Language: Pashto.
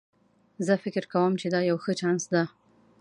زه فکر کوم چې دا یو ښه چانس ده